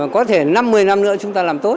có thể năm một mươi năm nữa chúng ta làm tốt